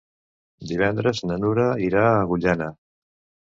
Divendres na Nura irà a Agullana.